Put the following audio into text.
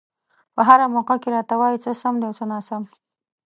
په هره موقع کې راته وايي څه سم دي او څه ناسم.